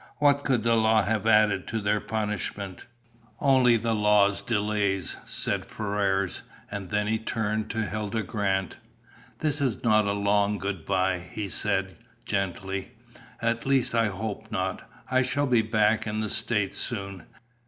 What could the law have added to their punishment?" "Only the law's delays," said Ferrars, and then he turned to Hilda Grant. "This is not a long good bye," he said gently. "At least I hope not. I shall be back in 'the States' soon.